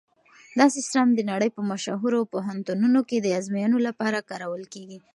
دا سیسټم د نړۍ په مشهورو پوهنتونونو کې د ازموینو لپاره کارول کیږي.